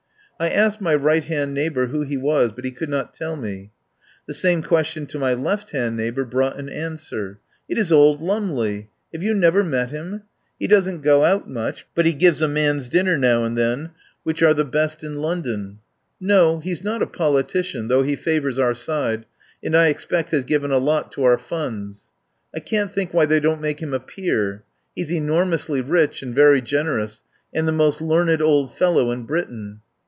I asked my right hand neighbour who he was, but he could not tell me. The same question to my left hand neighbour brought an answer: "It is old Lumley. Have you never met him? He doesn't go out much, but he gives a man's dinner now and then which are the 129 THE POWER HOUSE best in London. No. He's not a politician, though he favours our side, and I expect has given a lot to our funds. I can't think why they don't make him a Peer. He's enormously rich and very generous, and the most learned old fellow in Britain.